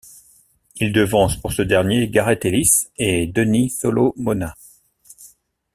Il devance pour ce dernier Gareth Ellis et Denny Solomona.